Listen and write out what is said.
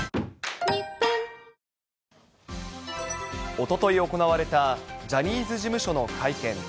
おととい行われたジャニーズ事務所の会見。